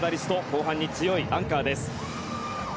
後半に強いアンカーです。